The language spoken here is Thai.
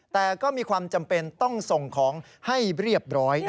แต่ก็มีความจำเป็นต้องส่งของให้เรียบร้อย